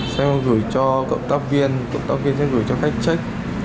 sau em gửi cho công tác viên công tác viên sẽ gửi cho khách check